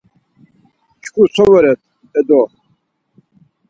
Çku so voret, e do?